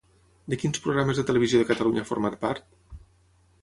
De quins programes de Televisió de Catalunya ha format part?